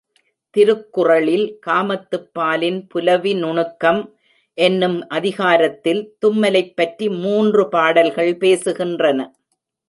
திருக்குறளில் காமத்துப்பாலின் புலவி நுணுக்கம் எனும் அதிகாரத்தில் தும்மலைப் பற்றி மூன்று பாடல்கள் பேசுகின்றன.